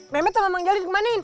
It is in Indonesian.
memet sama mangjali kemanain